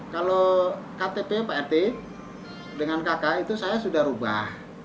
kalau ktp pak rt dengan kk itu saya sudah rubah